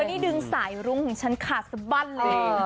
นี่ดึงสายรุ้งของฉันขาดสบั้นเลย